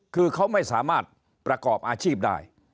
คือเขาไม่สามารถประกอบอาชีพได้